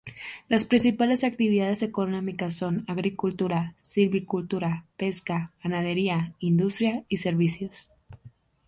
Las principales actividades económicas son: agricultura, silvicultura, pesca, ganadería, industria y servicios.